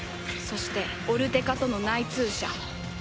そしてオルテカとの内通者